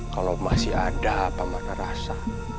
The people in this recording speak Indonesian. kalau masih ada apa mana rasa